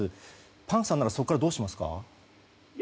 パンクさんならそこからどうしますか？